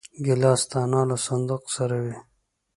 ګیلاس د انا له صندوق سره وي.